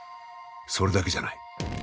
それだけじゃない。